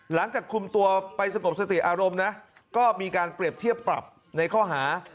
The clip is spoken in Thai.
หลังจากคุมตัวไปสงบสติอารมณ์นะก็มีการเปรียบเทียบปรับในข้อหา